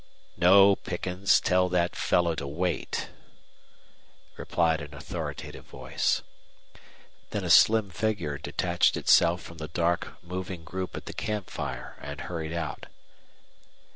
"Ho, Pickens! Tell that fellow to wait," replied an authoritative voice. Then a slim figure detached itself from the dark, moving group at the camp fire and hurried out.